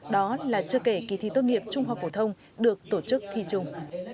đó là chưa kể kỳ thi tốt nghiệp trung học phổ thông được tổ chức thi chung